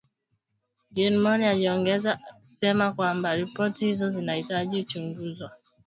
Gilmore aliongeza akisema kwamba ripoti hizo zinahitaji kuchunguzwa na wale wenye hatia wawajibishwe